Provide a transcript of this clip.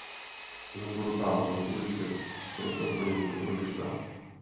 Novodobá kompozice je proto poněkud odlišná.